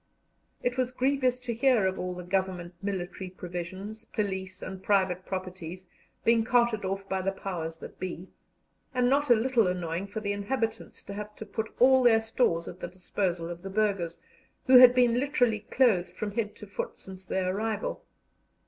It was grievous to hear of all the Government military provisions, police and private properties, being carted off by the "powers that be," and not a little annoying for the inhabitants to have to put all their stores at the disposal of the burghers, who had been literally clothed from head to foot since their arrival.